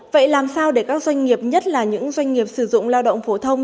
vậy làm sao để các doanh nghiệp nhất là những doanh nghiệp sử dụng lao động phổ thông